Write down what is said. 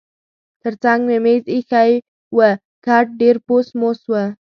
ترڅنګ یې مېز اییښی و، کټ ډېر پوس موس و.